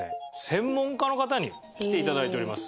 専門家の方に来ていただいております。